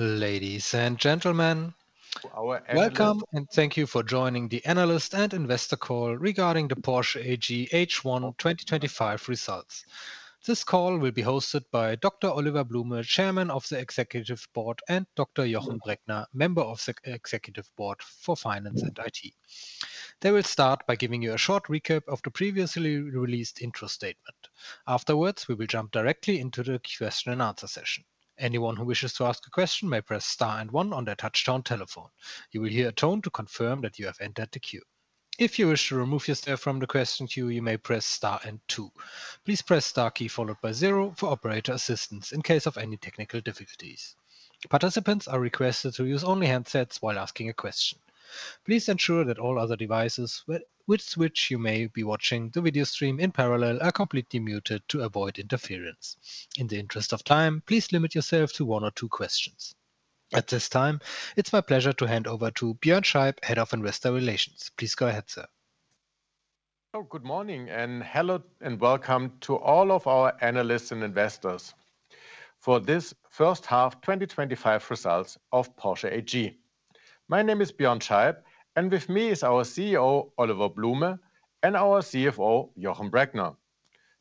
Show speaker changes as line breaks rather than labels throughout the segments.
Ladies and gentlemen, welcome and thank you for joining the analyst and investor call regarding the Porsche AG H1 2025 results. This call will be hosted by Dr. Oliver Blume, Chairman of the Executive Board, and Dr. Jochen Breckner, Member of the Executive Board for Finance and IT. They will start by giving you a short recap of the previously released interest statement. Afterwards, we will jump directly into the question-and-answer session. Anyone who wishes to ask a question may press star and one on their touch-tone telephone. You will hear a tone to confirm that you have entered the queue. If you wish to remove yourself from the question queue, you may press star and two. Please press star key followed by zero for operator assistance in case of any technical difficulties. Participants are requested to use only handsets while asking a question. Please ensure that all other devices with which you may be watching the video stream in parallel are completely muted to avoid interference. In the interest of time, please limit yourself to one or two questions. At this time, it's my pleasure to hand over to Björn Scheib, Head of Investor Relations. Please go ahead, sir.
Good morning and hello and welcome to all of our analysts and investors for this first half 2025 results of Porsche AG. My name is Björn Scheib, and with me is our CEO, Oliver Blume, and our CFO, Jochen Breckner.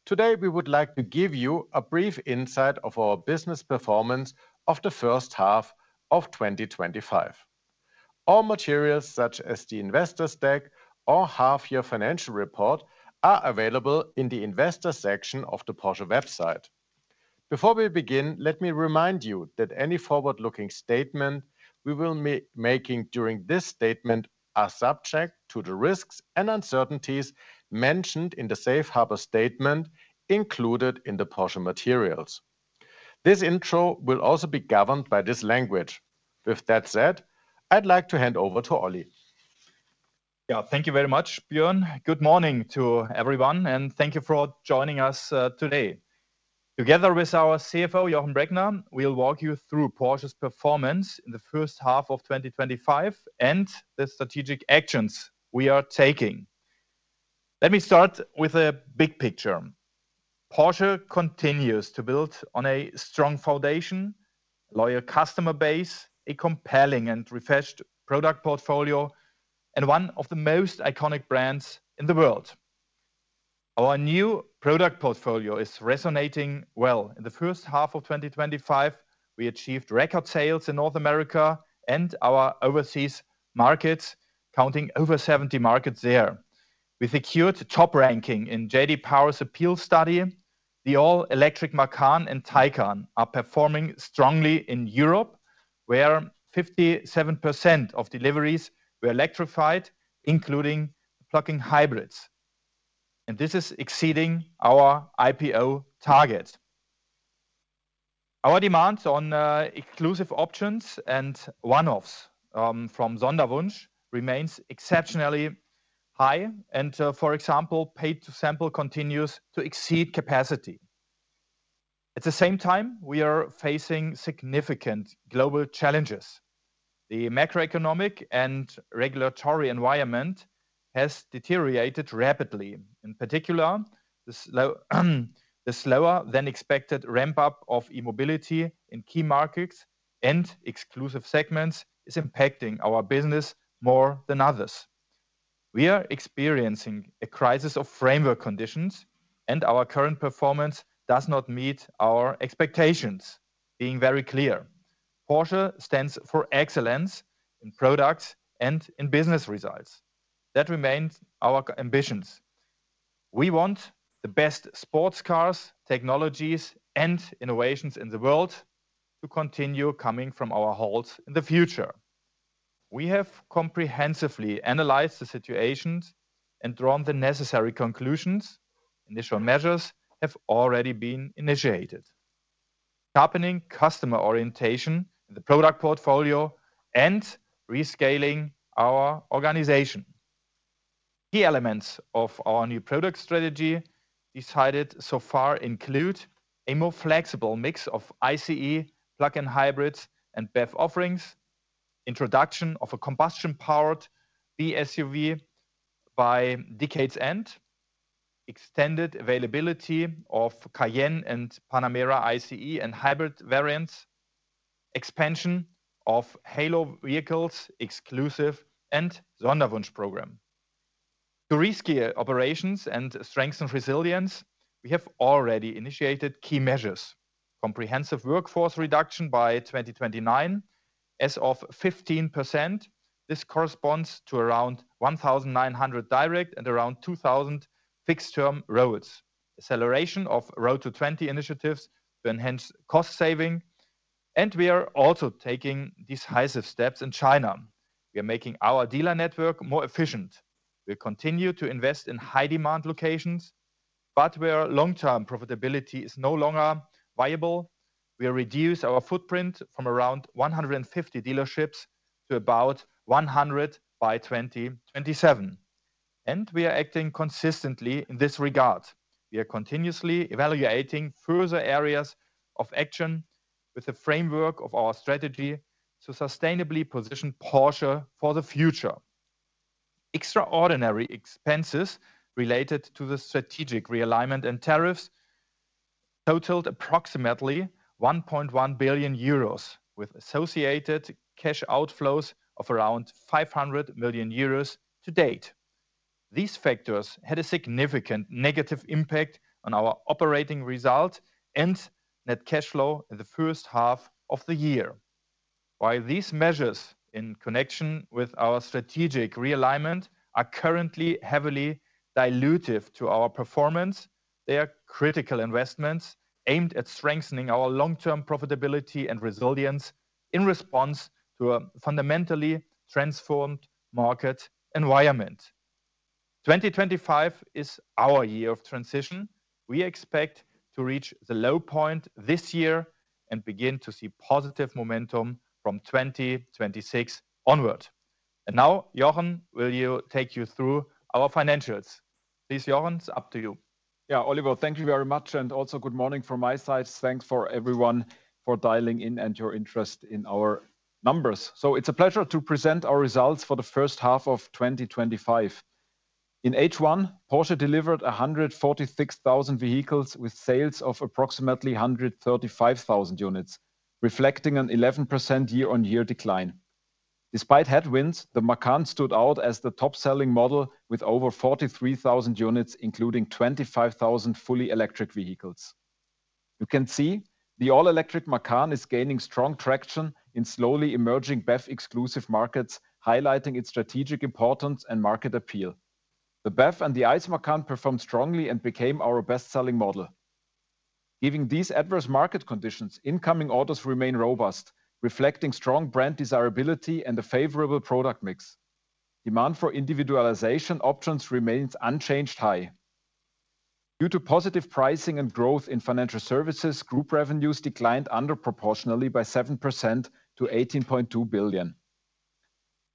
Today, we would like to give you a brief insight of our business performance of the first half of 2025. All materials such as the investor stack or half-year financial report are available in the investor section of the Porsche website. Before we begin, let me remind you that any forward-looking statement we will be making during this statement is subject to the risks and uncertainties mentioned in the safe harbor statement included in the Porsche materials. This intro will also be governed by this language. With that said, I'd like to hand over to Oli.
Yeah, thank you very much, Björn. Good morning to everyone, and thank you for joining us today. Together with our CFO, Jochen Breckner, we'll walk you through Porsche's performance in the first half of 2025 and the strategic actions we are taking. Let me start with a big picture. Porsche continues to build on a strong foundation, a loyal customer base, a compelling and refreshed product portfolio, and one of the most iconic brands in the world. Our new product portfolio is resonating well. In the first half of 2025, we achieved record sales in North America and our overseas markets, counting over 70 markets there. We secured top ranking in JD Power's appeal study. The all-electric Macan and Taycan are performing strongly in Europe, where 57% of deliveries were electrified, including plug-in hybrids. This is exceeding our IPO target. Our demand on exclusive options and one-offs from Sonderwunsch remains exceptionally high, and, for example, paid-to-sample continues to exceed capacity. At the same time, we are facing significant global challenges. The macroeconomic and regulatory environment has deteriorated rapidly. In particular, the slower-than-expected ramp-up of e-mobility in key markets and exclusive segments is impacting our business more than others. We are experiencing a crisis of framework conditions, and our current performance does not meet our expectations, being very clear. Porsche stands for excellence in products and in business results. That remains our ambitions. We want the best sports cars, technologies, and innovations in the world to continue coming from our halls in the future. We have comprehensively analyzed the situations and drawn the necessary conclusions. Initial measures have already been initiated. Sharpening customer orientation in the product portfolio and rescaling our organization. Key elements of our new product strategy decided so far include a more flexible mix of ICE, plug-in hybrids, and BEV offerings, introduction of a combustion-powered B-SUV by decade's end, extended availability of Cayenne and Panamera ICE and hybrid variants, expansion of halo vehicles, exclusive and Sonderwunsch program. To rescale operations and strengthen resilience, we have already initiated key measures: comprehensive workforce reduction by 2029 as of 15%. This corresponds to around 1,900 direct and around 2,000 fixed-term roles, acceleration of road-to-20 initiatives to enhance cost saving. We are also taking decisive steps in China. We are making our dealer network more efficient. We continue to invest in high-demand locations, but where long-term profitability is no longer viable, we reduce our footprint from around 150 dealerships to about 100 by 2027. We are acting consistently in this regard. We are continuously evaluating further areas of action within the framework of our strategy to sustainably position Porsche for the future. Extraordinary expenses related to the strategic realignment and tariffs totaled approximately 1.1 billion euros, with associated cash outflows of around 500 million euros to date. These factors had a significant negative impact on our operating result and net cash flow in the first half of the year. While these measures in connection with our strategic realignment are currently heavily dilutive to our performance, they are critical investments aimed at strengthening our long-term profitability and resilience in response to a fundamentally transformed market environment. 2025 is our year of transition. We expect to reach the low point this year and begin to see positive momentum from 2026 onward. Jochen, will you take us through our financials? Please, Jochen, it's up to you.
Yeah, Oliver, thank you very much. Also, good morning from my side. Thanks for everyone for dialing in and your interest in our numbers. It's a pleasure to present our results for the first half of 2025. In H1, Porsche delivered 146,000 vehicles with sales of approximately 135,000 units, reflecting an 11% year-on-year decline. Despite headwinds, the Macan stood out as the top-selling model with over 43,000 units, including 25,000 fully electric vehicles. You can see the all-electric Macan is gaining strong traction in slowly emerging BEV-exclusive markets, highlighting its strategic importance and market appeal. The BEV and the ICE Macan performed strongly and became our best-selling model. Given these adverse market conditions, incoming orders remain robust, reflecting strong brand desirability and a favorable product mix. Demand for individualization options remains unchanged high. Due to positive pricing and growth in financial services, group revenues declined underproportionally by 7% to 18.2 billion.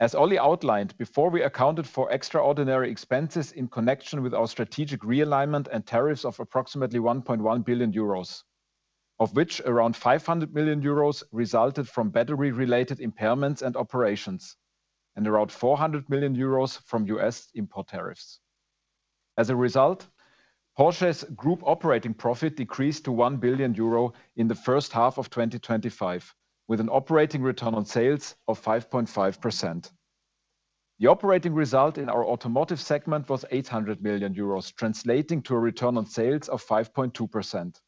As Oli outlined before, we accounted for extraordinary expenses in connection with our strategic realignment and tariffs of approximately 1.1 billion euros, of which around 500 million euros resulted from battery-related impairments and operations, and around 400 million euros from U.S. import tariffs. As a result, Porsche's group operating profit decreased to 1 billion euro in the first half of 2025, with an operating return on sales of 5.5%. The operating result in our automotive segment was 800 million euros, translating to a return on sales of 5.2%.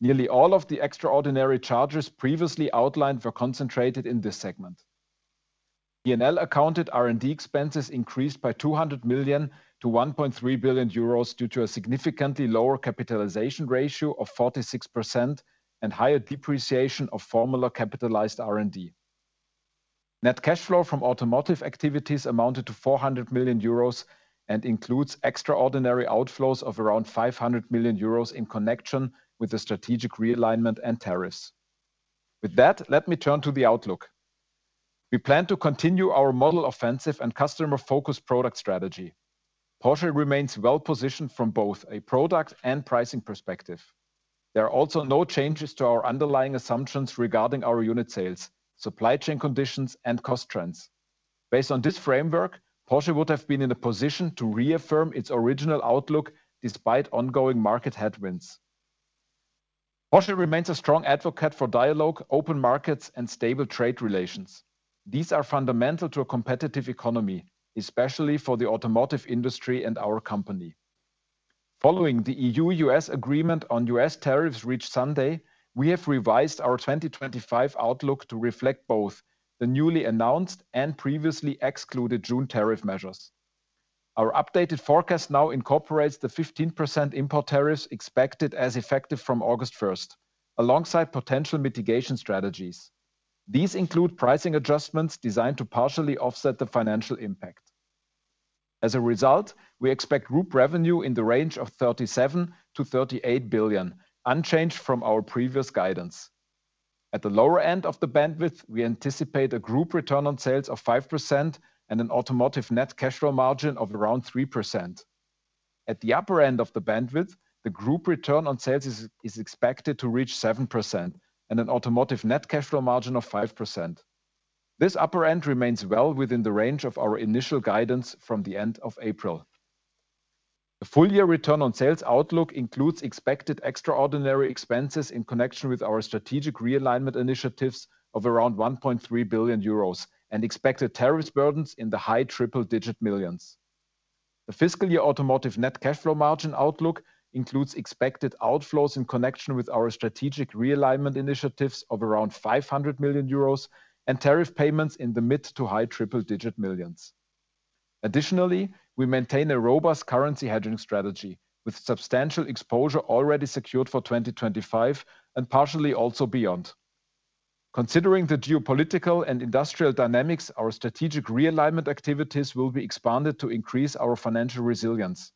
Nearly all of the extraordinary charges previously outlined were concentrated in this segment. P&L accounted R&D expenses increased by 200 million-1.3 billion euros due to a significantly lower capitalization ratio of 46% and higher depreciation of formula-capitalized R&D. Net cash flow from automotive activities amounted to 400 million euros and includes extraordinary outflows of around 500 million euros in connection with the strategic realignment and tariffs. With that, let me turn to the outlook. We plan to continue our model offensive and customer-focused product strategy. Porsche remains well-positioned from both a product and pricing perspective. There are also no changes to our underlying assumptions regarding our unit sales, supply chain conditions, and cost trends. Based on this framework, Porsche would have been in a position to reaffirm its original outlook despite ongoing market headwinds. Porsche remains a strong advocate for dialogue, open markets, and stable trade relations. These are fundamental to a competitive economy, especially for the automotive industry and our company. Following the EU-U.S. agreement on U.S. tariffs reached Sunday, we have revised our 2025 outlook to reflect both the newly announced and previously excluded June tariff measures. Our updated forecast now incorporates the 15% import tariffs expected as effective from August 1, alongside potential mitigation strategies. These include pricing adjustments designed to partially offset the financial impact. As a result, we expect group revenue in the range of 37 billion-38 billion, unchanged from our previous guidance. At the lower end of the bandwidth, we anticipate a group return on sales of 5% and an automotive net cash flow margin of around 3%. At the upper end of the bandwidth, the group return on sales is expected to reach 7% and an automotive net cash flow margin of 5%. This upper end remains well within the range of our initial guidance from the end of April. The full-year return on sales outlook includes expected extraordinary expenses in connection with our strategic realignment initiatives of around 1.3 billion euros and expected tariff burdens in the high triple-digit millions. The fiscal year automotive net cash flow margin outlook includes expected outflows in connection with our strategic realignment initiatives of around 500 million euros and tariff payments in the mid to high triple-digit millions. Additionally, we maintain a robust currency hedging strategy with substantial exposure already secured for 2025 and partially also beyond. Considering the geopolitical and industrial dynamics, our strategic realignment activities will be expanded to increase our financial resilience.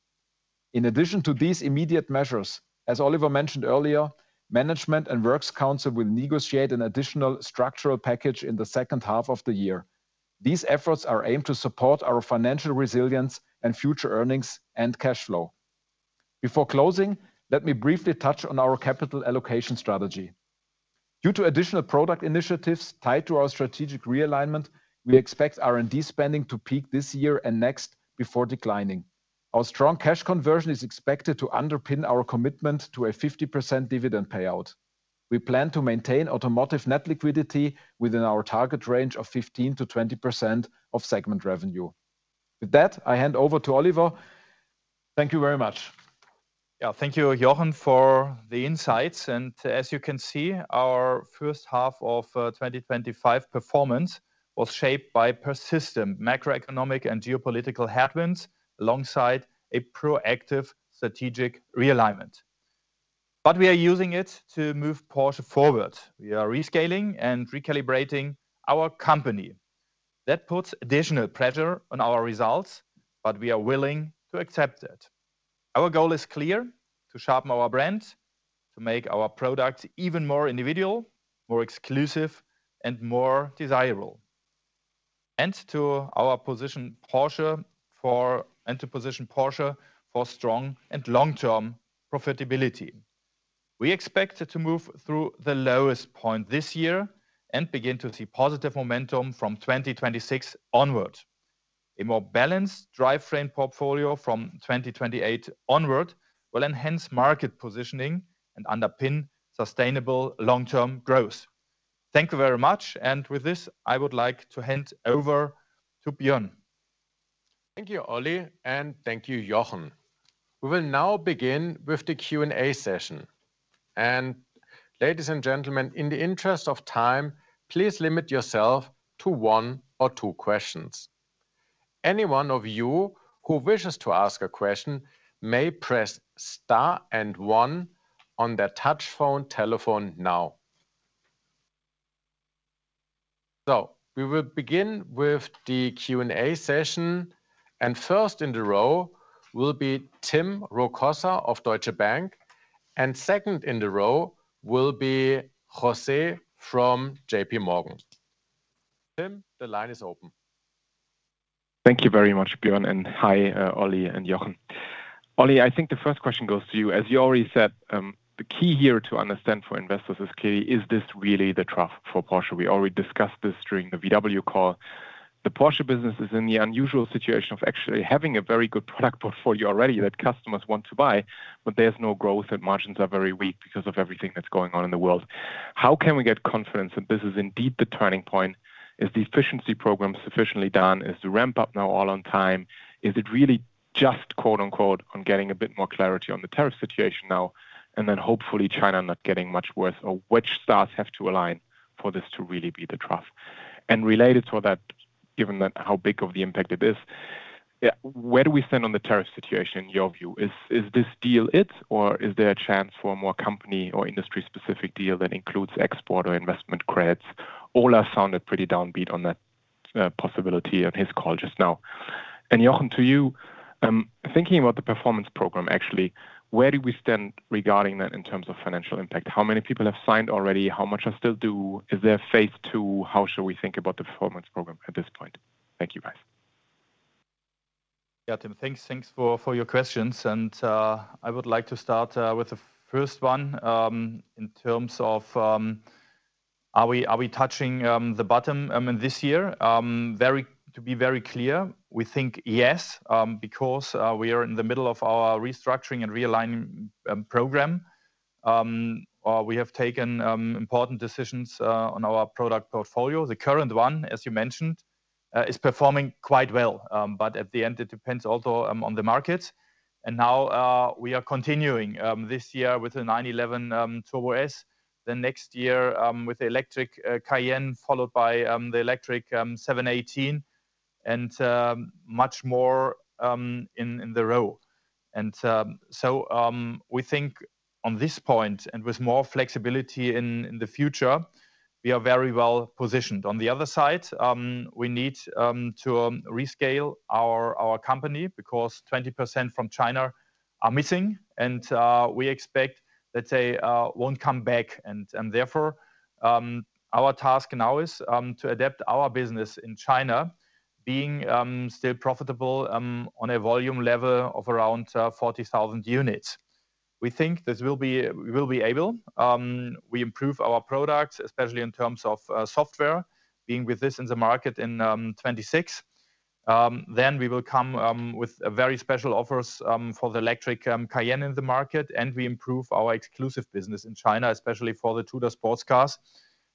In addition to these immediate measures, as Oliver mentioned earlier, management and works council will negotiate an additional structural package in the second half of the year. These efforts are aimed to support our financial resilience and future earnings and cash flow. Before closing, let me briefly touch on our capital allocation strategy. Due to additional product initiatives tied to our strategic realignment, we expect R&D spending to peak this year and next before declining. Our strong cash conversion is expected to underpin our commitment to a 50% dividend payout. We plan to maintain automotive net liquidity within our target range of 15%-20% of segment revenue. With that, I hand over to Oliver. Thank you very much.
Yeah, thank you, Jochen, for the insights. As you can see, our first half of 2025 performance was shaped by persistent macroeconomic and geopolitical headwinds alongside a proactive strategic realignment. We are using it to move Porsche forward. We are rescaling and recalibrating our company. That puts additional pressure on our results, but we are willing to accept that. Our goal is clear: to sharpen our brand, to make our products even more individual, more exclusive, and more desirable, and to position Porsche for strong and long-term profitability. We expect to move through the lowest point this year and begin to see positive momentum from 2026 onward. A more balanced drivetrain portfolio from 2028 onward will enhance market positioning and underpin sustainable long-term growth. Thank you very much. With this, I would like to hand over to Björn.
Thank you, Oli, and thank you, Jochen. We will now begin with the Q&A session. Ladies and gentlemen, in the interest of time, please limit yourself to one or two questions. Anyone of you who wishes to ask a question may press star and one on their touchphone telephone now. We will begin with the Q&A session. First in the row will be Tim Rokossa of Deutsche Bank. Second in the row will be José from JPMorgan. Tim, the line is open.
Thank you very much, Björn, and hi, Oli and Jochen. Oli, I think the first question goes to you. As you already said, the key here to understand for investors is clearly, is this really the trough for Porsche? We already discussed this during the Volkswagen call. The Porsche business is in the unusual situation of actually having a very good product portfolio already that customers want to buy, but there is no growth and margins are very weak because of everything that is going on in the world. How can we get confidence that this is indeed the turning point? Is the efficiency program sufficiently done? Is the ramp-up now all on time? Is it really just "on getting a bit more clarity on the tariff situation now and then hopefully China not getting much worse" or which stars have to align for this to really be the trough? Related to that, given how big of the impact it is, where do we stand on the tariff situation in your view? Is this deal it, or is there a chance for a more company or industry-specific deal that includes export or investment credits? Ola sounded pretty downbeat on that possibility on his call just now. Jochen, to you, thinking about the performance program, actually, where do we stand regarding that in terms of financial impact? How many people have signed already? How much are still due? Is there a phase two? How should we think about the performance program at this point? Thank you, guys.
Yeah, Tim, thanks for your questions. I would like to start with the first one. In terms of are we touching the bottom this year? To be very clear, we think yes, because we are in the middle of our restructuring and realignment program. We have taken important decisions on our product portfolio. The current one, as you mentioned, is performing quite well, but at the end, it depends also on the markets. We are continuing this year with the 911 Turbo S, then next year with the electric Cayenne, followed by the electric 718, and much more in the row. We think on this point and with more flexibility in the future, we are very well positioned. On the other side, we need to rescale our company because 20% from China are missing, and we expect, let's say, won't come back. Therefore, our task now is to adapt our business in China, being still profitable on a volume level of around 40,000 units. We think this will be able. We improve our products, especially in terms of software, being with this in the market in 2026. Then we will come with very special offers for the electric Cayenne in the market, and we improve our exclusive business in China, especially for the two-door sports cars,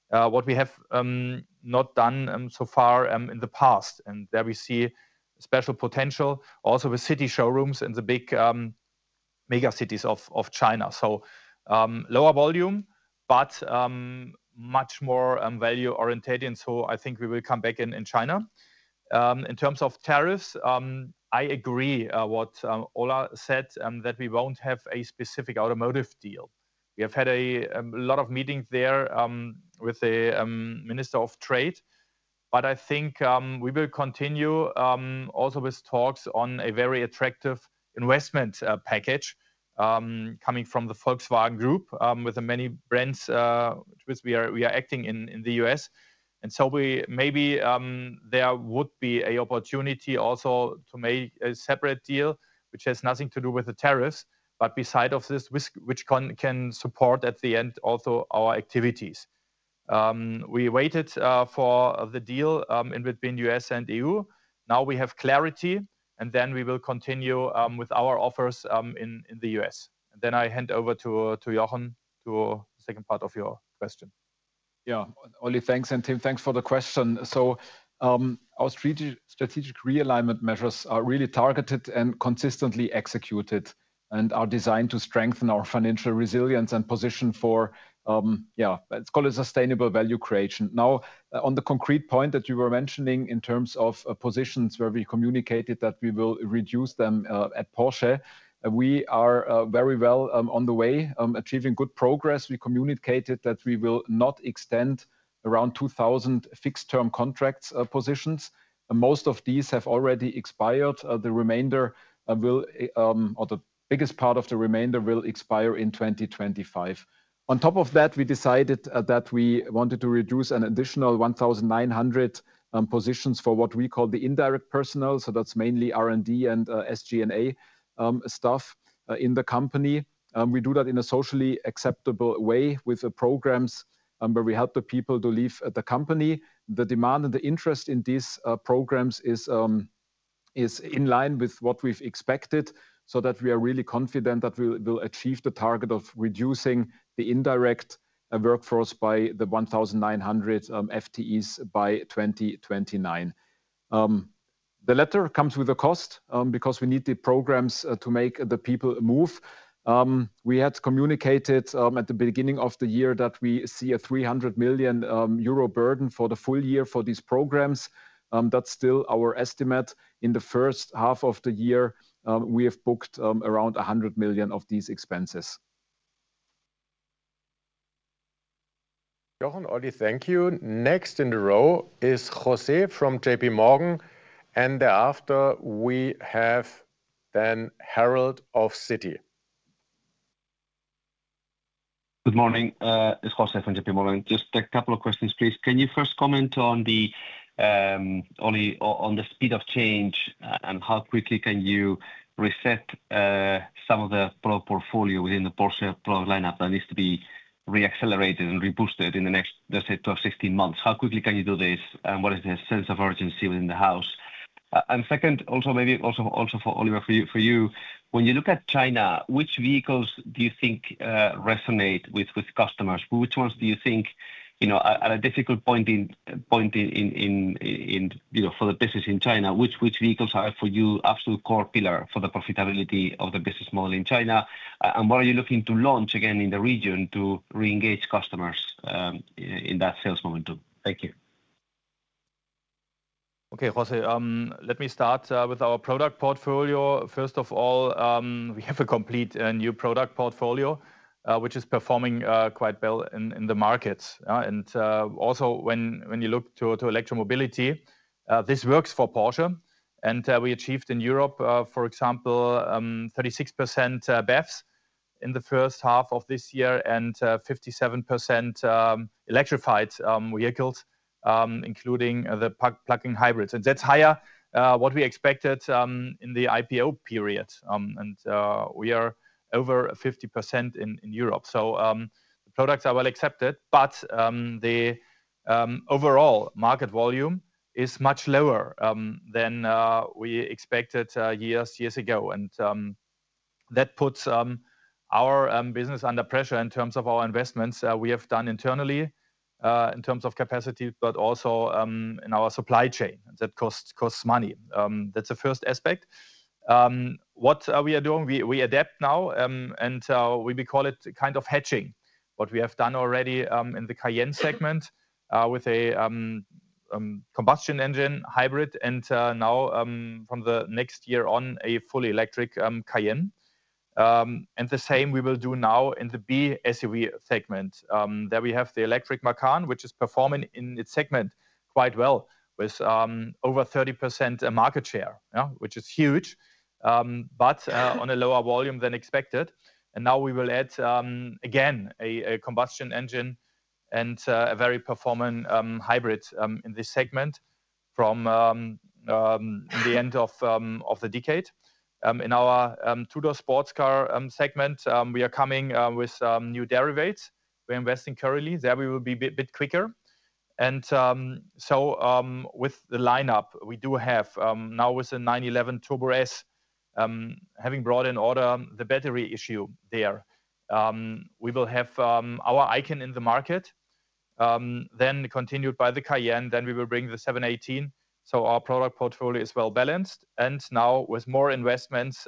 what we have not done so far in the past. There we see special potential also with city showrooms in the big mega cities of China. Lower volume, but much more value-oriented. I think we will come back in China. In terms of tariffs, I agree with what Ola said, that we won't have a specific automotive deal. We have had a lot of meetings there with the Minister of Trade, but I think we will continue also with talks on a very attractive investment package coming from the Volkswagen Group with the many brands with which we are acting in the U.S. Maybe there would be an opportunity also to make a separate deal, which has nothing to do with the tariffs, but beside of this, which can support at the end also our activities. We waited for the deal in between U.S. and EU. Now we have clarity, and then we will continue with our offers in the U.S. I hand over to Jochen to the second part of your question.
Yeah, Oli, thanks. And Tim, thanks for the question. Our strategic realignment measures are really targeted and consistently executed and are designed to strengthen our financial resilience and position for, yeah, let's call it sustainable value creation. Now, on the concrete point that you were mentioning in terms of positions where we communicated that we will reduce them at Porsche, we are very well on the way, achieving good progress. We communicated that we will not extend around 2,000 fixed-term contract positions. Most of these have already expired. The remainder will, or the biggest part of the remainder will, expire in 2025. On top of that, we decided that we wanted to reduce an additional 1,900 positions for what we call the indirect personnel. So that's mainly R&D and SG&A stuff in the company. We do that in a socially acceptable way with the programs where we help the people to leave the company. The demand and the interest in these programs is in line with what we've expected so that we are really confident that we will achieve the target of reducing the indirect workforce by the 1,900 FTEs by 2029. The latter comes with a cost because we need the programs to make the people move. We had communicated at the beginning of the year that we see a 300 million euro burden for the full year for these programs. That's still our estimate. In the first half of the year, we have booked around 100 million of these expenses.
Jochen, Oli, thank you. Next in the row is José from JPMorgan. Thereafter, we have Harald of Citi.
Good morning. It's José from JP Morgan. Just a couple of questions, please. Can you first comment on the speed of change and how quickly can you reset some of the product portfolio within the Porsche product lineup that needs to be reaccelerated and reboosted in the next, let's say, 12-16 months? How quickly can you do this? What is the sense of urgency within the house? Also, maybe for Oliver, for you, when you look at China, which vehicles do you think resonate with customers? Which ones do you think, at a difficult point for the business in China, which vehicles are for you absolute core pillar for the profitability of the business model in China? What are you looking to launch again in the region to reengage customers in that sales momentum? Thank you.
Okay, José. Let me start with our product portfolio. First of all, we have a complete new product portfolio, which is performing quite well in the markets. Also, when you look to electromobility, this works for Porsche. We achieved in Europe, for example, 36% BEVs in the first half of this year and 57% electrified vehicles, including the plug-in hybrids. That is higher than what we expected in the IPO period. We are over 50% in Europe. The products are well accepted, but the overall market volume is much lower than we expected years ago. That puts our business under pressure in terms of our investments we have done internally in terms of capacity, but also in our supply chain. That costs money. That is the first aspect. What we are doing, we adapt now, and we call it kind of hatching. What we have done already in the Cayenne segment with a combustion engine hybrid, and now from next year on, a fully electric Cayenne. The same we will do now in the B SUV segment. There we have the electric Macan, which is performing in its segment quite well with over 30% market share, which is huge, but on a lower volume than expected. Now we will add again a combustion engine and a very performant hybrid in this segment from the end of the decade. In our two-door sports car segment, we are coming with new derivatives. We are investing currently. There we will be a bit quicker. With the lineup we do have now with the 911 Turbo S, having brought in order the battery issue there, we will have our icon in the market. Continued by the Cayenne, then we will bring the 718. Our product portfolio is well balanced. Now with more investments,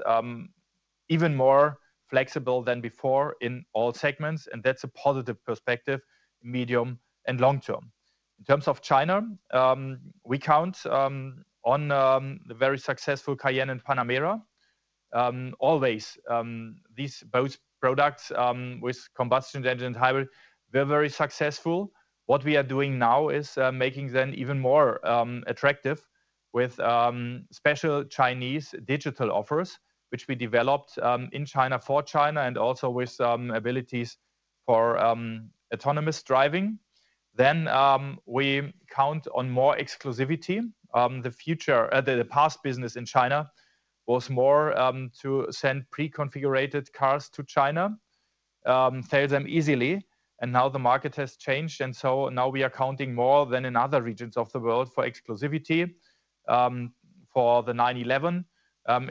even more flexible than before in all segments. That is a positive perspective in medium and long term. In terms of China, we count on the very successful Cayenne and Panamera. Always. These both products with combustion engine and hybrid were very successful. What we are doing now is making them even more attractive with special Chinese digital offers, which we developed in China for China and also with abilities for autonomous driving. We count on more exclusivity. The past business in China was more to send pre-configurated cars to China, sell them easily. Now the market has changed. Now we are counting more than in other regions of the world for exclusivity. For the 911,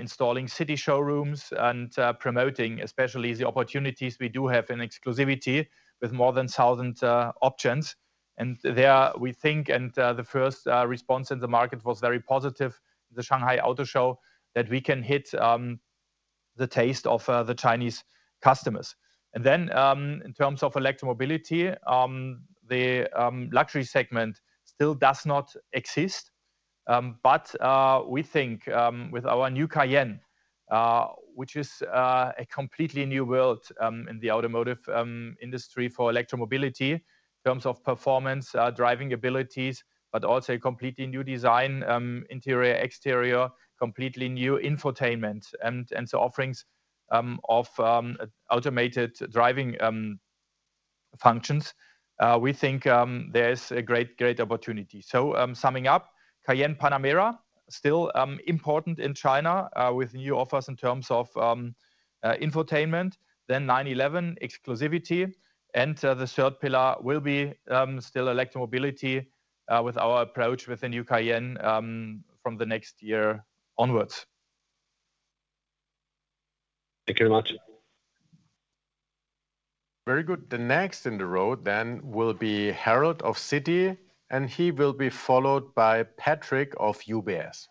installing city showrooms and promoting especially the opportunities we do have in exclusivity with more than 1,000 options. There we think, and the first response in the market was very positive in the Shanghai Auto Show, that we can hit the taste of the Chinese customers. In terms of electromobility, the luxury segment still does not exist. We think with our new Cayenne, which is a completely new world in the automotive industry for electromobility in terms of performance, driving abilities, but also a completely new design, interior, exterior, completely new infotainment, and the offerings of automated driving functions, we think there is a great opportunity. Summing up, Cayenne and Panamera are still important in China with new offers in terms of infotainment, then 911 exclusivity, and the third pillar will be still electromobility with our approach with the new Cayenne from the next year onwards.
Thank you very much.
Very good. The next in the row then will be Harald of Citi, and he will be followed by Patrick of UBS.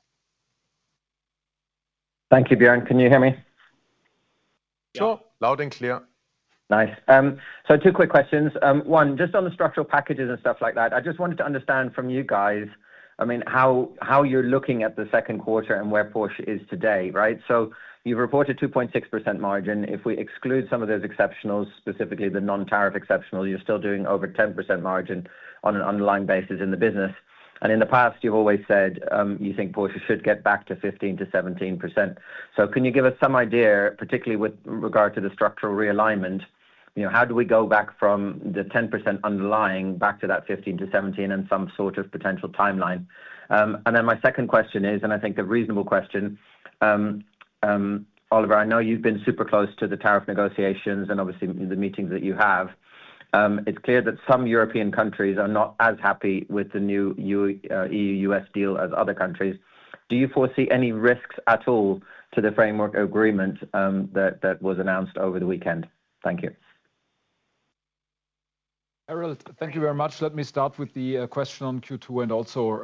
Thank you, Björn. Can you hear me?
Sure. Loud and clear.
Nice. Two quick questions. One, just on the structural packages and stuff like that, I just wanted to understand from you guys, I mean, how you're looking at the second quarter and where Porsche is today, right? You have reported 2.6% margin. If we exclude some of those exceptionals, specifically the non-tariff exceptionals, you are still doing over 10% margin on an underlying basis in the business. In the past, you have always said you think Porsche should get back to 15%-17%. Can you give us some idea, particularly with regard to the structural realignment, how do we go back from the 10% underlying back to that 15%-17% and some sort of potential timeline? My second question is, and I think a reasonable question. Oliver, I know you have been super close to the tariff negotiations and obviously the meetings that you have. It is clear that some European countries are not as happy with the new EU-U.S. deal as other countries. Do you foresee any risks at all to the framework agreement that was announced over the weekend? Thank you.
Harold, thank you very much. Let me start with the question on Q2 and also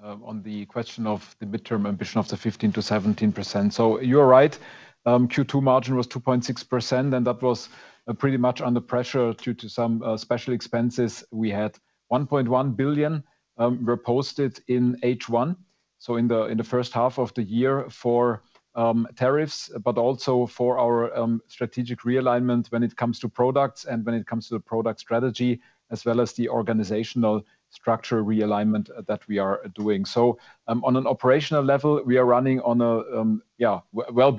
on the question of the midterm ambition of the 15%-17%. So you're right. Q2 margin was 2.6%, and that was pretty much under pressure due to some special expenses. We had 1.1 billion reposted in H1, so in the first half of the year for tariffs, but also for our strategic realignment when it comes to products and when it comes to the product strategy, as well as the organizational structure realignment that we are doing. On an operational level, we are running on a well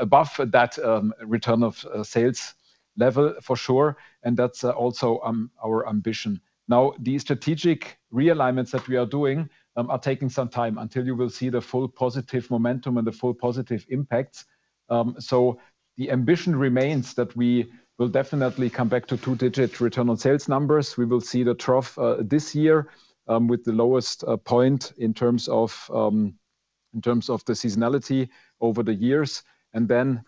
above that return on sales level for sure, and that's also our ambition. The strategic realignments that we are doing are taking some time until you will see the full positive momentum and the full positive impacts. The ambition remains that we will definitely come back to two-digit return on sales numbers. We will see the trough this year with the lowest point in terms of the seasonality over the years.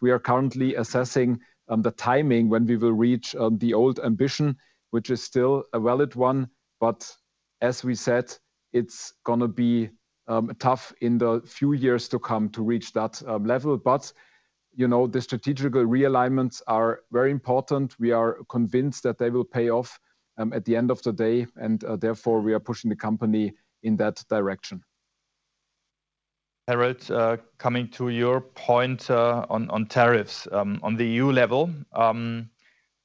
We are currently assessing the timing when we will reach the old ambition, which is still a valid one. As we said, it's going to be tough in the few years to come to reach that level. The strategical realignments are very important. We are convinced that they will pay off at the end of the day. Therefore, we are pushing the company in that direction.
Harold, coming to your point. On tariffs on the EU level.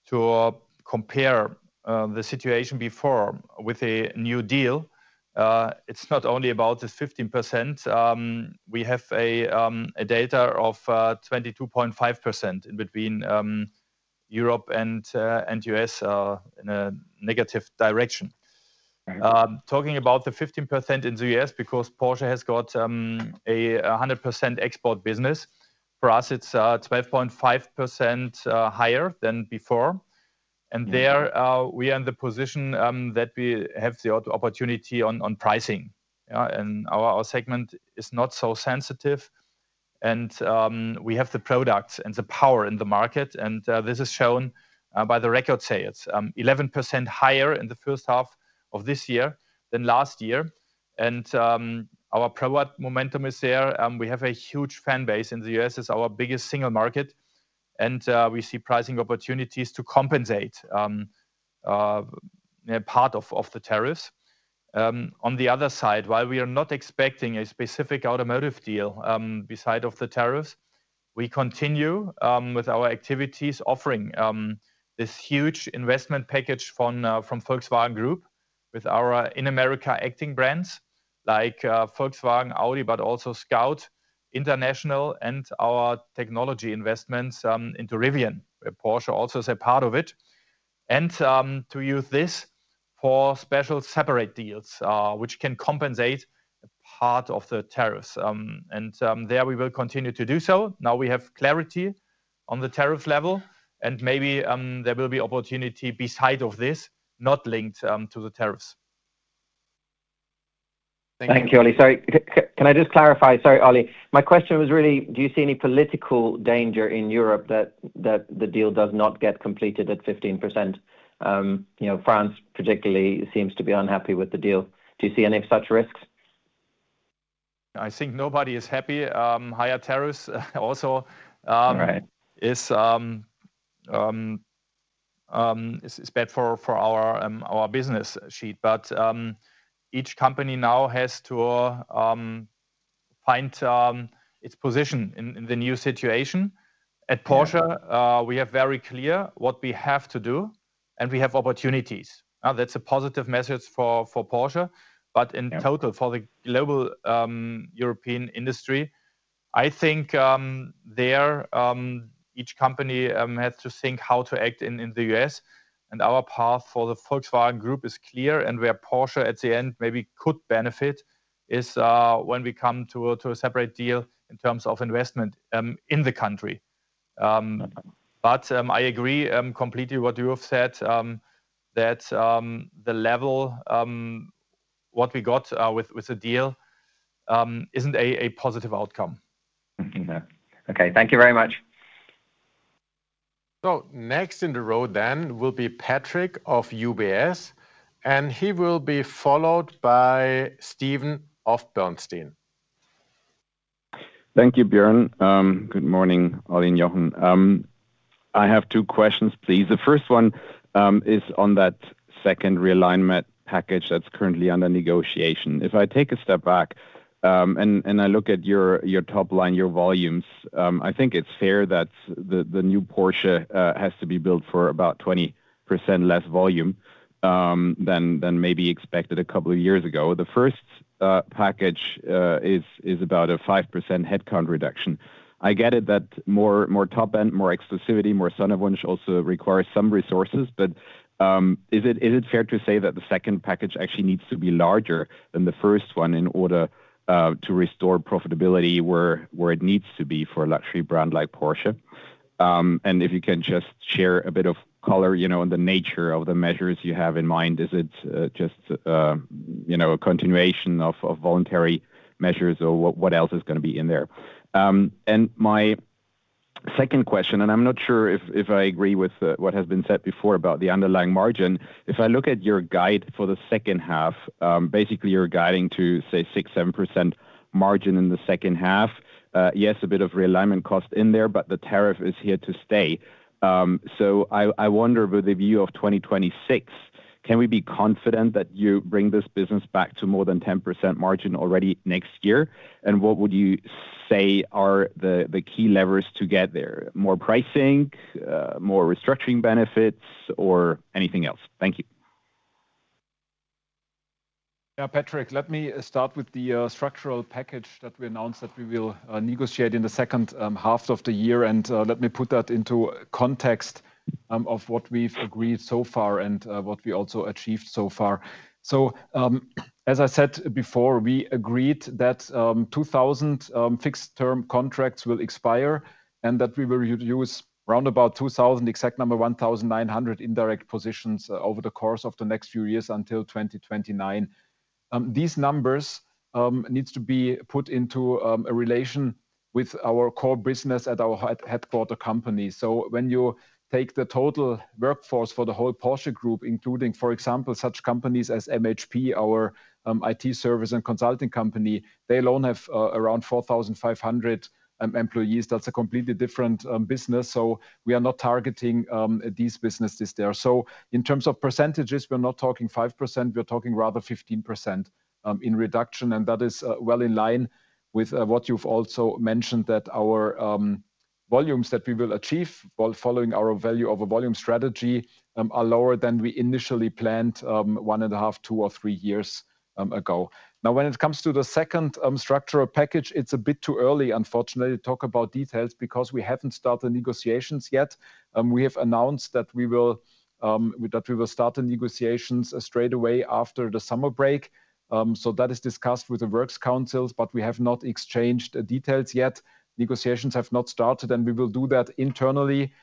To compare the situation before with a new deal. It's not only about the 15%. We have data of 22.5% in between. Europe and U.S. In a negative direction. Talking about the 15% in the U.S., because Porsche has got a 100% export business, for us, it's 12.5% higher than before. There we are in the position that we have the opportunity on pricing. Our segment is not so sensitive. We have the products and the power in the market. This is shown by the record sales, 11% higher in the first half of this year than last year. Our product momentum is there. We have a huge fan base in the U.S. It's our biggest single market. We see pricing opportunities to compensate part of the tariffs. On the other side, while we are not expecting a specific automotive deal beside the tariffs, we continue with our activities offering this huge investment package from Volkswagen Group with our in-America acting brands like Volkswagen, Audi, but also Scout International and our technology investments into Rivian, where Porsche also is a part of it. To use this for special separate deals, which can compensate part of the tariffs. There we will continue to do so. Now we have clarity on the tariff level. Maybe there will be opportunity beside of this, not linked to the tariffs.
Thank you, Olli. Sorry, can I just clarify? Sorry, Olli. My question was really, do you see any political danger in Europe that the deal does not get completed at 15%? France particularly seems to be unhappy with the deal. Do you see any of such risks?
I think nobody is happy. Higher tariffs also is bad for our business sheet. Each company now has to find its position in the new situation. At Porsche, we have very clear what we have to do, and we have opportunities. That is a positive message for Porsche. In total for the global European industry, I think each company has to think how to act in the U.S. Our path for the Volkswagen Group is clear. Where Porsche at the end maybe could benefit is when we come to a separate deal in terms of investment in the country. I agree completely with what you have said, that the level, what we got with the deal, is not a positive outcome.
Okay, thank you very much.
Next in the row then will be Patrick of UBS, and he will be followed by Stephen of Bernstein.
Thank you, Björn. Good morning, Olli and Jochen. I have two questions, please. The first one is on that second realignment package that's currently under negotiation. If I take a step back and I look at your top line, your volumes, I think it's fair that the new Porsche has to be built for about 20% less volume than maybe expected a couple of years ago. The first package is about a 5% headcount reduction. I get it that more top end, more exclusivity, more Sonderwunsch also requires some resources. But is it fair to say that the second package actually needs to be larger than the first one in order to restore profitability where it needs to be for a luxury brand like Porsche? If you can just share a bit of color on the nature of the measures you have in mind, is it just a continuation of voluntary measures or what else is going to be in there? My second question, and I'm not sure if I agree with what has been said before about the underlying margin, if I look at your guide for the second half, basically you're guiding to say 6%-7% margin in the second half. Yes, a bit of realignment cost in there, but the tariff is here to stay. I wonder with the view of 2026, can we be confident that you bring this business back to more than 10% margin already next year? What would you say are the key levers to get there? More pricing, more restructuring benefits, or anything else? Thank you.
Yeah, Patrick, let me start with the structural package that we announced that we will negotiate in the second half of the year. Let me put that into context of what we've agreed so far and what we also achieved so far. As I said before, we agreed that 2,000 fixed-term contracts will expire and that we will use roundabout 2,000, exact number 1,900 indirect positions over the course of the next few years until 2029. These numbers need to be put into a relation with our core business at our headquarter company. When you take the total workforce for the whole Porsche Group, including, for example, such companies as MHP, our IT service and consulting company, they alone have around 4,500 employees. That's a completely different business. We are not targeting these businesses there. In terms of percentages, we're not talking 5%. We're talking rather 15% in reduction. That is well in line with what you've also mentioned, that our volumes that we will achieve while following our value of a volume strategy are lower than we initially planned one and a half, two or three years ago. Now, when it comes to the second structural package, it's a bit too early, unfortunately, to talk about details because we haven't started negotiations yet. We have announced that we will start the negotiations straight away after the summer break. That is discussed with the works councils, but we have not exchanged details yet. Negotiations have not started, and we will do that internally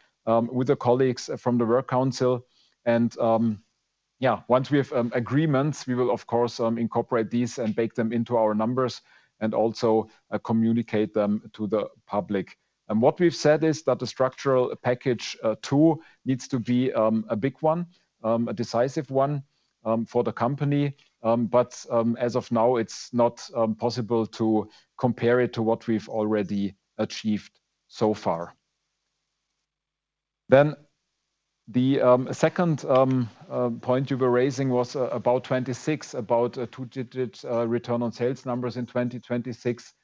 with the colleagues from the work council. Once we have agreements, we will, of course, incorporate these and bake them into our numbers and also communicate them to the public. What we've said is that the structural package two needs to be a big one, a decisive one for the company. As of now, it's not possible to compare it to what we've already achieved so far. The second point you were raising was about 2026, about two-digit return on sales numbers in 2026.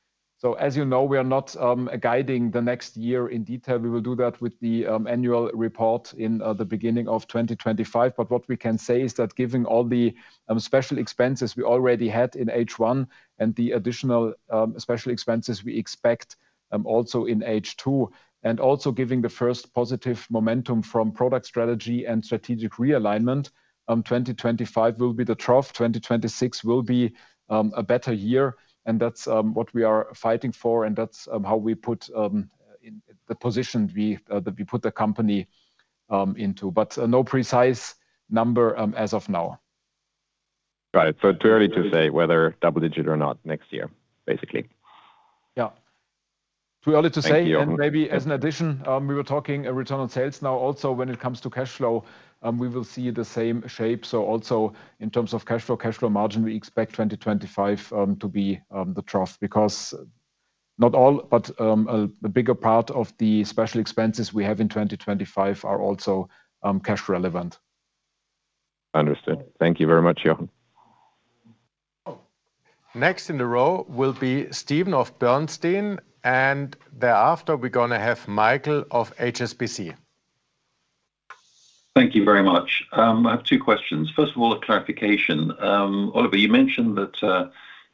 As you know, we are not guiding the next year in detail. We will do that with the annual report in the beginning of 2025. What we can say is that giving all the special expenses we already had in H1 and the additional special expenses we expect also in H2, and also giving the first positive momentum from product strategy and strategic realignment, 2025 will be the trough. 2026 will be a better year. That's what we are fighting for. That's how we put the position that we put the company into. No precise number as of now.
Got it. So it's too early to say whether double-digit or not next year, basically.
Yeah. Too early to say. Maybe as an addition, we were talking return on sales. Now, also when it comes to cash flow, we will see the same shape. Also in terms of cash flow, cash flow margin, we expect 2025 to be the trough because not all, but a bigger part of the special expenses we have in 2025 are also cash relevant.
Understood. Thank you very much, Jochen.
Next in the row will be Stephen of Bernstein. Thereafter, we're going to have Michael of HSBC.
Thank you very much. I have two questions. First of all, a clarification. Oliver, you mentioned that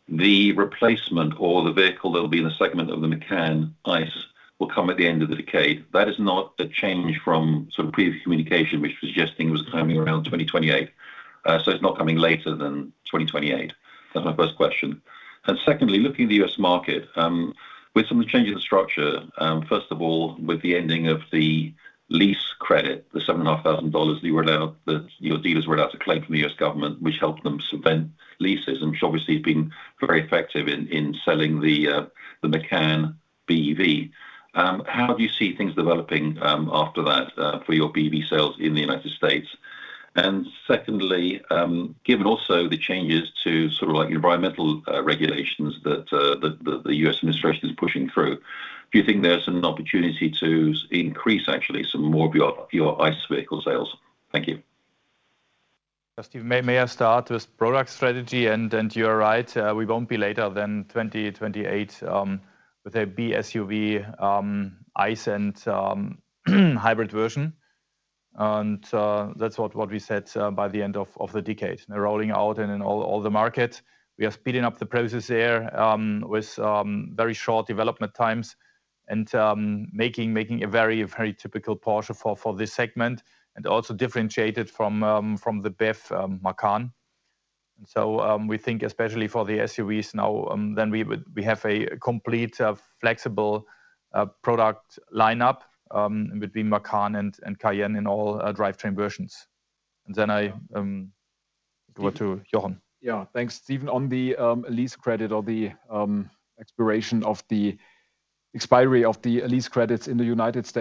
the replacement or the vehicle that will be in the segment of the Macan ICE will come at the end of the decade. That is not a change from sort of previous communication, which was suggesting it was coming around 2028. So it is not coming later than 2028. That is my first question. Secondly, looking at the U.S. market, with some of the changes in structure, first of all, with the ending of the lease credit, the $7,500 that your dealers were allowed to claim from the U.S. government, which helped them suspend leases, which obviously has been very effective in selling the Macan BEV, how do you see things developing after that for your BEV sales in the United States? Secondly, given also the changes to sort of environmental regulations that the U.S. administration is pushing through, do you think there is an opportunity to increase actually some more of your ICE vehicle sales? Thank you.
Steve, may I start with product strategy? You are right. We will not be later than 2028 with a BSUV, ICE, and hybrid version. That is what we said by the end of the decade. We are rolling out in all the markets. We are speeding up the process there with very short development times and making a very, very typical Porsche for this segment and also differentiated from the BEV Macan. We think, especially for the SUVs now, we have a complete flexible product lineup between Macan and Cayenne in all drivetrain versions. I hand over to Jochen.
Yeah, thanks, Steven. On the lease credit or the expiration of the expiry of the lease credits in the U.S.,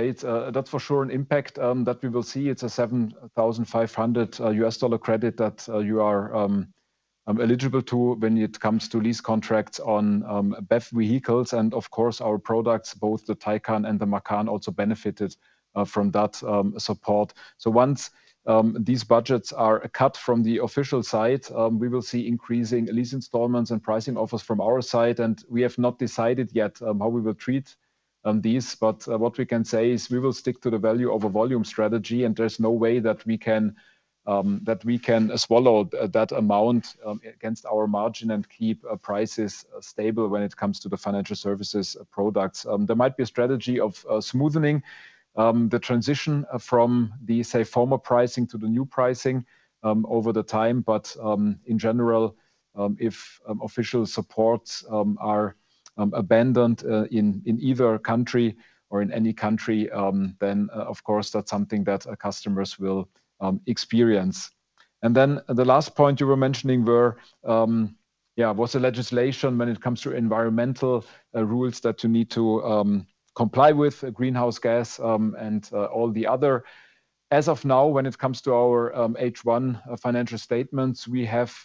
that's for sure an impact that we will see. It's a $7,500 credit that you are eligible to when it comes to lease contracts on BEV vehicles. Of course, our products, both the Taycan and the Macan, also benefited from that support. Once these budgets are cut from the official side, we will see increasing lease installments and pricing offers from our side. We have not decided yet how we will treat these. What we can say is we will stick to the value of a volume strategy. There is no way that we can swallow that amount against our margin and keep prices stable when it comes to the financial services products. There might be a strategy of smoothening the transition from the, say, former pricing to the new pricing over the time. In general, if official supports are abandoned in either country or in any country, that is something that customers will experience. The last point you were mentioning was the legislation when it comes to environmental rules that you need to comply with, greenhouse gas and all the other. As of now, when it comes to our H1 financial statements, we have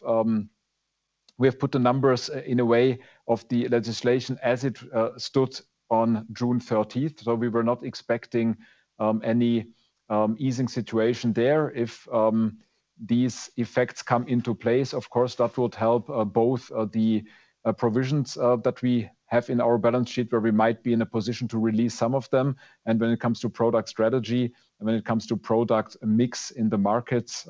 put the numbers in a way of the legislation as it stood on June 13th. We were not expecting any easing situation there. If these effects come into place, that would help both the provisions that we have in our balance sheet, where we might be in a position to release some of them. When it comes to product strategy, when it comes to product mix in the markets,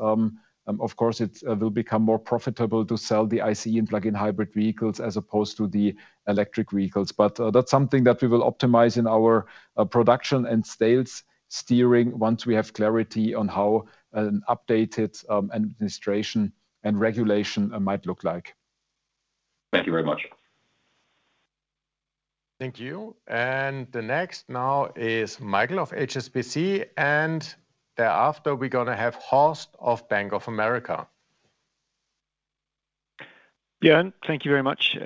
it will become more profitable to sell the ICE and plug-in hybrid vehicles as opposed to the electric vehicles. That is something that we will optimize in our production and sales steering once we have clarity on how an updated administration and regulation might look like.
Thank you very much.
Thank you. The next now is Michael of HSBC. Thereafter, we're going to have Horst of Bank of America.
Björn, thank you very much.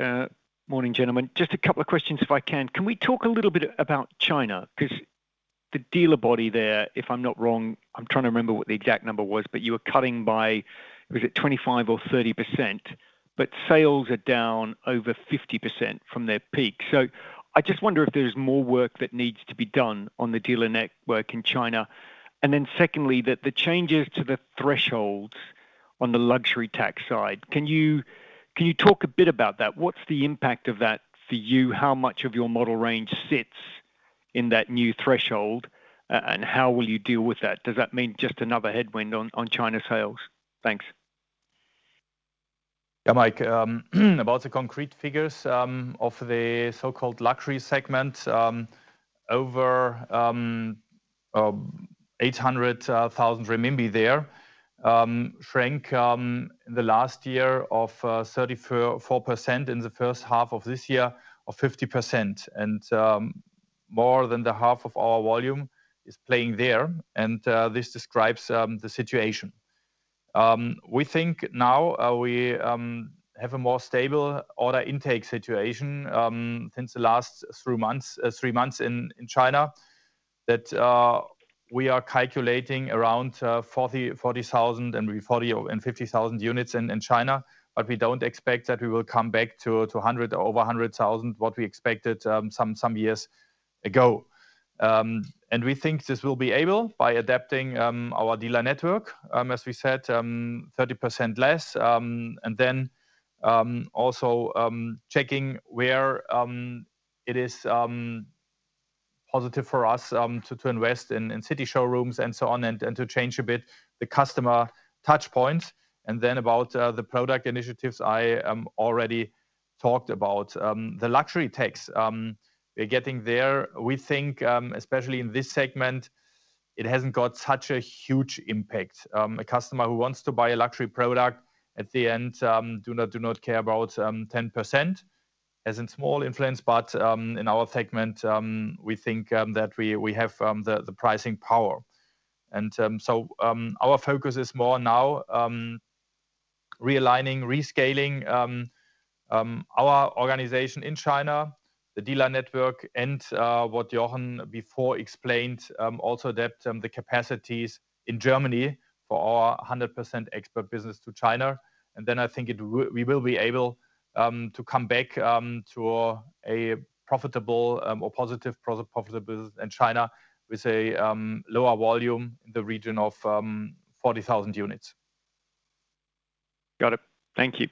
Morning, gentlemen. Just a couple of questions, if I can. Can we talk a little bit about China? Because the dealer body there, if I'm not wrong, I'm trying to remember what the exact number was, but you were cutting by, was it 25% or 30%? Sales are down over 50% from their peak. I just wonder if there's more work that needs to be done on the dealer network in China. Secondly, the changes to the thresholds on the luxury tax side. Can you talk a bit about that? What's the impact of that for you? How much of your model range sits in that new threshold? How will you deal with that? Does that mean just another headwind on China sales? Thanks.
Yeah, Mike, about the concrete figures of the so-called luxury segment. Over 800,000 renminbi there shrank in the last year by 34%, in the first half of this year by 50%. More than half of our volume is playing there, and this describes the situation. We think now we have a more stable order intake situation since the last three months in China. We are calculating around 40,000-50,000 units in China, but we do not expect that we will come back to 100,000 or over 100,000, what we expected some years ago. We think this will be able by adapting our dealer network, as we said, 30% less, and also checking where it is positive for us to invest in city showrooms and so on and to change a bit the customer touchpoints. About the product initiatives I already talked about, the luxury tax, we are getting there. We think, especially in this segment, it has not got such a huge impact. A customer who wants to buy a luxury product at the end does not care about 10%. It has a small influence, but in our segment, we think that we have the pricing power. Our focus is more now realigning, rescaling our organization in China, the dealer network, and what Jochen before explained, also that the capacities in Germany for our 100% export business to China. I think we will be able to come back to a profitable or positive profitability in China with a lower volume in the region of 40,000 units.
Got it. Thank you.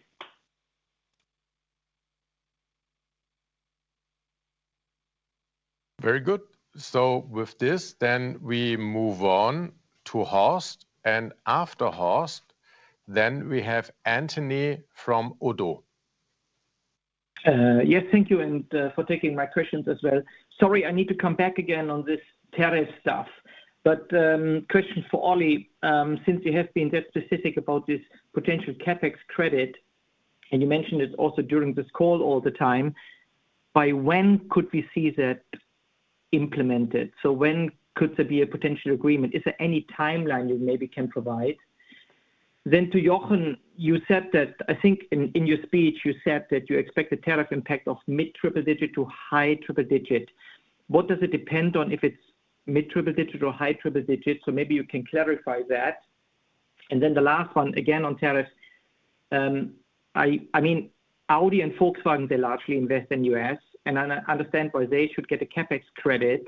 Very good. With this, we move on to Horst. After Horst, we have Anthony from Udo.
Yes, thank you for taking my questions as well. Sorry, I need to come back again on this tariff stuff. Question for Ollie, since you have been that specific about this potential CapEx credit, and you mentioned it also during this call all the time, by when could we see that implemented? When could there be a potential agreement? Is there any timeline you maybe can provide? To Jochen, you said that I think in your speech, you said that you expect the tariff impact of mid-triple digit to high triple-digit. What does it depend on if it's mid-triple digit or high triple digit? Maybe you can clarify that. The last one, again on tariffs. I mean, Audi and Volkswagen, they largely invest in the U.S. I understand why they should get a CapEx credit.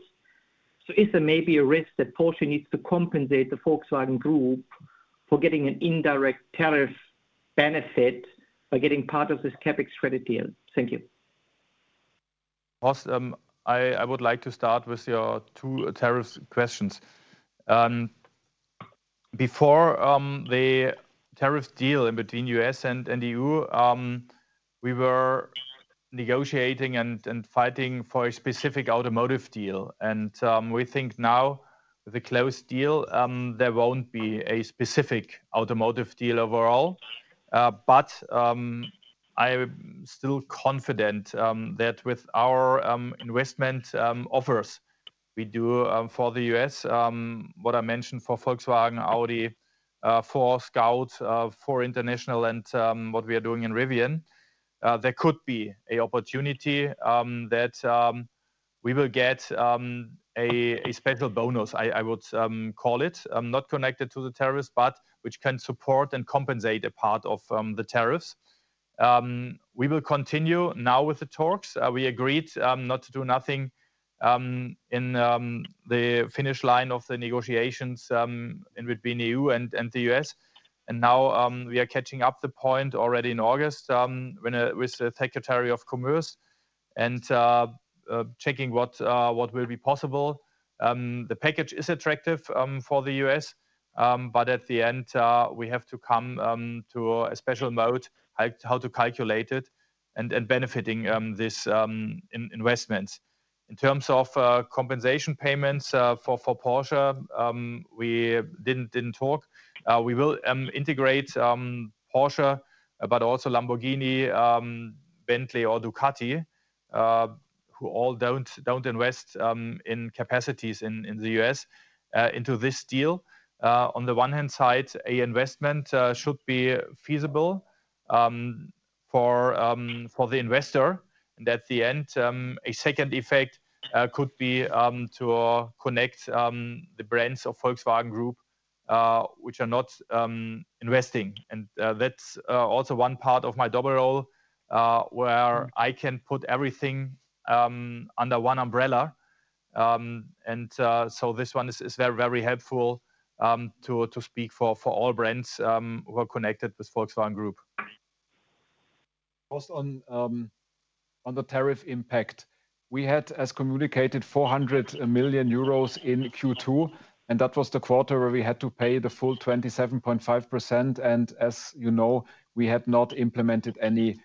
Is there maybe a risk that Porsche needs to compensate the Volkswagen Group for getting an indirect tariff benefit by getting part of this CapEx credit deal? Thank you.
Awesome. I would like to start with your two tariff questions. Before the tariff deal between the U.S. and the EU, we were negotiating and fighting for a specific automotive deal. We think now with the closed deal, there will not be a specific automotive deal overall. I am still confident that with our investment offers we do for the U.S., what I mentioned for Volkswagen, Audi, for Scout International, and what we are doing in Rivian, there could be an opportunity that we will get a special bonus, I would call it, not connected to the tariffs, but which can support and compensate a part of the tariffs. We will continue now with the talks. We agreed not to do nothing in the finish line of the negotiations in between the EU and the U.S. Now we are catching up the point already in August with the Secretary of Commerce and checking what will be possible. The package is attractive for the U.S., but at the end, we have to come to a special mode, how to calculate it and benefiting this. Investments. In terms of compensation payments for Porsche, we did not talk. We will integrate Porsche, but also Lamborghini, Bentley, or Ducati, who all do not invest in capacities in the U.S., into this deal. On the one hand side, an investment should be feasible for the investor. At the end, a second effect could be to connect the brands of Volkswagen Group which are not investing. That is also one part of my double role, where I can put everything under one umbrella. This one is very, very helpful to speak for all brands who are connected with Volkswagen Group.
First on the tariff impact. We had, as communicated, 400 million euros in Q2. That was the quarter where we had to pay the full 27.5%. As you know, we had not implemented any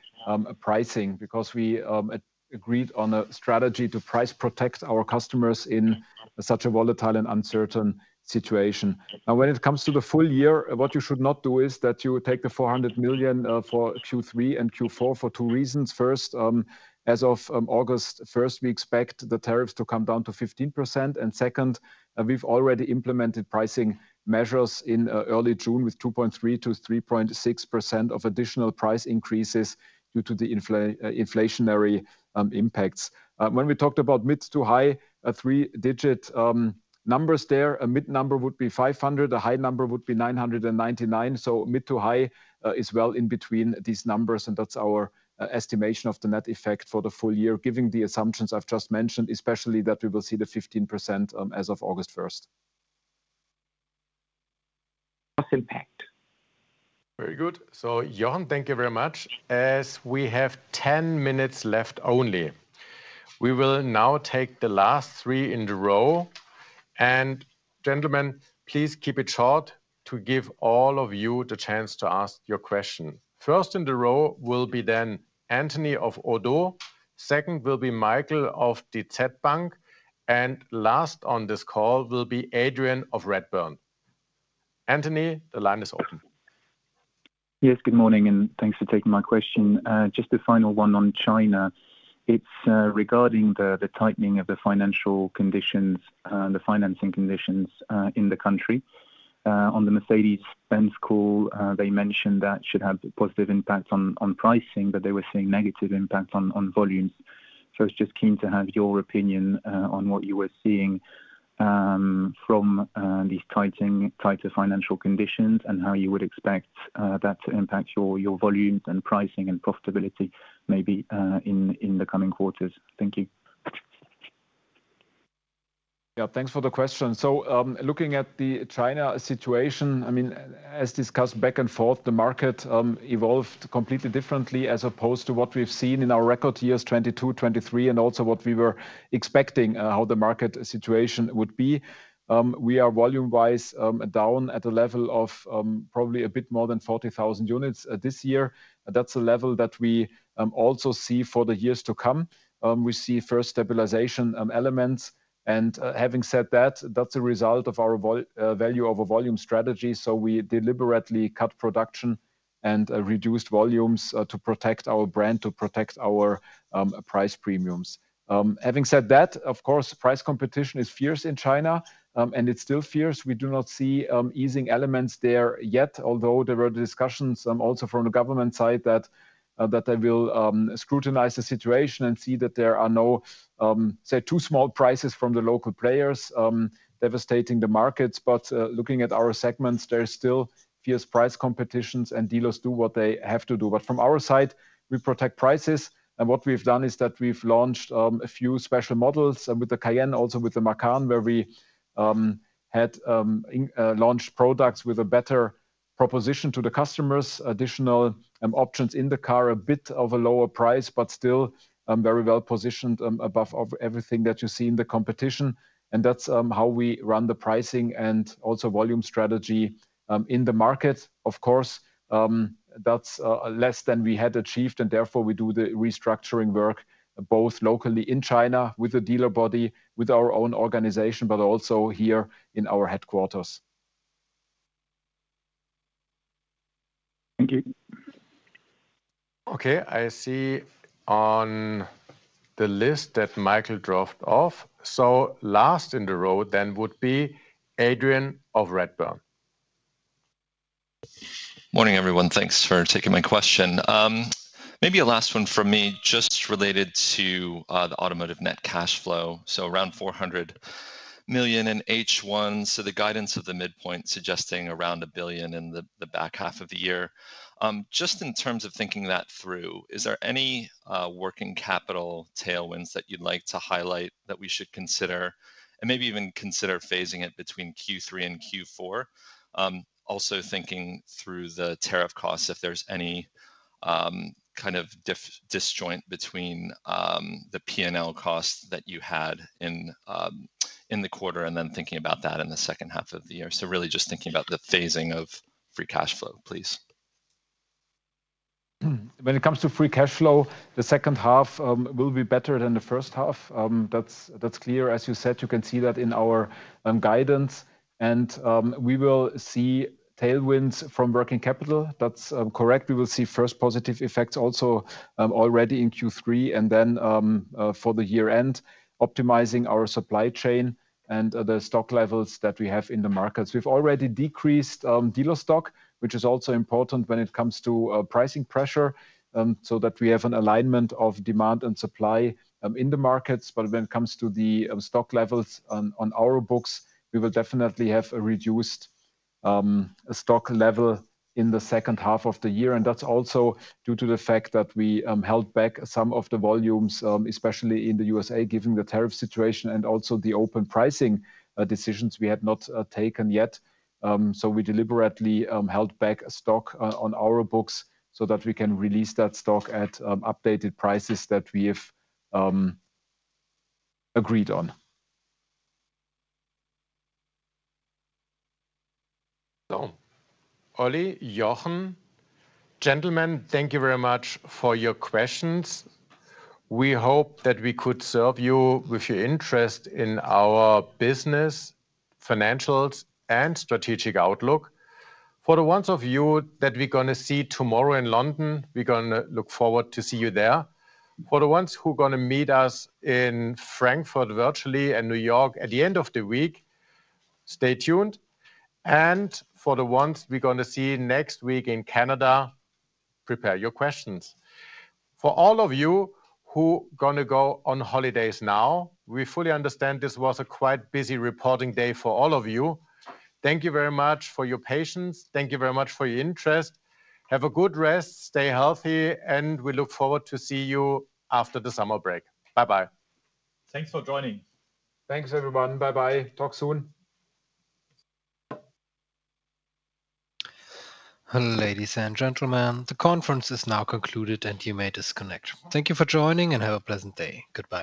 pricing because we agreed on a strategy to price protect our customers in such a volatile and uncertain situation. Now, when it comes to the full year, what you should not do is take the 400 million for Q3 and Q4 for two reasons. First, as of August 1, we expect the tariffs to come down to 15%. Second, we have already implemented pricing measures in early June with 2.3%-3.6% of additional price increases due to the inflationary impacts. When we talked about mid to high three-digit numbers there, a mid number would be 500, a high number would be 999. Mid to high is well in between these numbers. That is our estimation of the net effect for the full year, given the assumptions I have just mentioned, especially that we will see the 15% as of August 1st.
Impact.
Very good. Jochen, thank you very much. As we have 10 minutes left only, we will now take the last three in the row. Gentlemen, please keep it short to give all of you the chance to ask your question. First in the row will be Anthony of Udo. Second will be Michael of Die Z-Bank. Last on this call will be Adrian of Redburn. Anthony, the line is open.
Yes, good morning. Thanks for taking my question. Just the final one on China. It's regarding the tightening of the financial conditions and the financing conditions in the country. On the Mercedes-Benz call, they mentioned that should have positive impact on pricing, but they were seeing negative impact on volumes. I was just keen to have your opinion on what you were seeing from these tighter financial conditions and how you would expect that to impact your volumes and pricing and profitability maybe in the coming quarters. Thank you.
Yeah, thanks for the question. Looking at the China situation, I mean, as discussed back and forth, the market evolved completely differently as opposed to what we've seen in our record years 2022, 2023, and also what we were expecting how the market situation would be. We are volume-wise down at a level of probably a bit more than 40,000 units this year. That's a level that we also see for the years to come. We see first stabilization elements. Having said that, that's a result of our value over volume strategy. We deliberately cut production and reduced volumes to protect our brand, to protect our price premiums. Having said that, of course, price competition is fierce in China, and it's still fierce. We do not see easing elements there yet, although there were discussions also from the government side that they will scrutinize the situation and see that there are no, say, too small prices from the local players devastating the markets. Looking at our segments, there's still fierce price competition, and dealers do what they have to do. From our side, we protect prices. What we've done is that we've launched a few special models with the Cayenne, also with the Macan, where we launched products with a better proposition to the customers, additional options in the car, a bit of a lower price, but still very well positioned above everything that you see in the competition. That's how we run the pricing and also volume strategy in the market. Of course, that's less than we had achieved. Therefore, we do the restructuring work both locally in China with the dealer body, with our own organization, but also here in our headquarters. Thank you.
Okay, I see on the list that Michael dropped off. So last in the row then would be Adrian of Redburn.
Morning, everyone. Thanks for taking my question. Maybe a last one for me, just related to the automotive net cash flow. So around 400 million in H1. The guidance at the midpoint suggesting around 1 billion in the back half of the year. Just in terms of thinking that through, is there any working capital tailwinds that you'd like to highlight that we should consider and maybe even consider phasing it between Q3 and Q4? Also thinking through the tariff costs, if there's any kind of disjoint between the P&L costs that you had in the quarter and then thinking about that in the second half of the year. Really just thinking about the phasing of free cash flow, please.
When it comes to free cash flow, the second half will be better than the first half. That is clear. As you said, you can see that in our guidance. We will see tailwinds from working capital. That is correct. We will see first positive effects also already in Q3 and then for the year-end, optimizing our supply chain and the stock levels that we have in the markets. We have already decreased dealer stock, which is also important when it comes to pricing pressure so that we have an alignment of demand and supply in the markets. When it comes to the stock levels on our books, we will definitely have a reduced stock level in the second half of the year. That is also due to the fact that we held back some of the volumes, especially in the U.S., given the tariff situation and also the open pricing decisions we had not taken yet. We deliberately held back stock on our books so that we can release that stock at updated prices that we have agreed on.
Ollie, Jochen. Gentlemen, thank you very much for your questions. We hope that we could serve you with your interest in our business, financials, and strategic outlook. For the ones of you that we are going to see tomorrow in London, we are going to look forward to see you there. For the ones who are going to meet us in Frankfurt virtually and New York at the end of the week, stay tuned. For the ones we are going to see next week in Canada, prepare your questions. For all of you who are going to go on holidays now, we fully understand this was a quite busy reporting day for all of you. Thank you very much for your patience. Thank you very much for your interest. Have a good rest, stay healthy, and we look forward to see you after the summer break. Bye-bye.
Thanks for joining.
Thanks, everyone. Bye-bye. Talk soon.
Ladies and gentlemen, the conference is now concluded, and you may disconnect. Thank you for joining, and have a pleasant day. Goodbye.